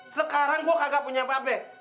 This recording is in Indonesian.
sekarang gua kagak punya apa apa ya